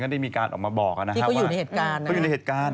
ก็ได้มีการออกมาบอกนะครับว่าที่เขาอยู่ในเหตุการณ์นะครับเขาอยู่ในเหตุการณ์